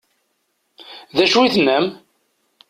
D acu i tennam?